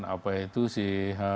apa itu sih